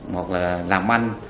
hoặc là làm ăn